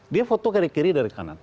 dia foto kiri kiri dari kanan